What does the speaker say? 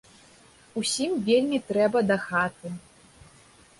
Усім вельмі трэба да хаты.